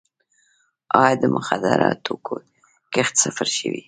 آیا د مخدره توکو کښت صفر شوی؟